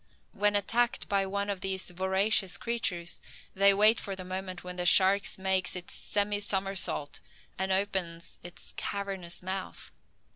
When attacked by one of these voracious creatures, they wait for the moment when the shark makes its semi somersault, and opens its cavernous mouth.